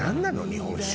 日本酒。